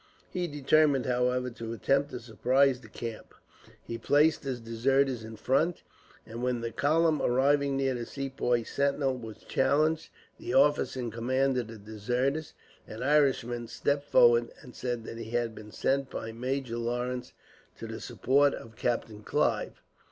He determined, however, to attempt to surprise the camp. He placed his deserters in front, and when the column, arriving near the Sepoy sentinel, was challenged, the officer in command of the deserters, an Irishman, stepped forward, and said that he had been sent by Major Lawrence to the support of Captain Clive.